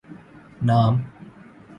نام؟